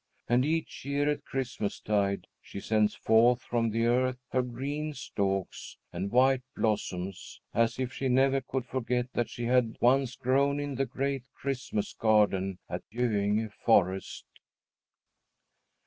And each year at Christmastide she sends forth from the earth her green stalks and white blossoms, as if she never could forget that she had once grown in the great Christmas garden at Göinge forest.